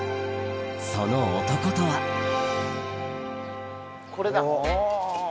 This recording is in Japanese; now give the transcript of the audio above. その男とはこれだ！